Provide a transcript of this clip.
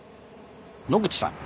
野口さん。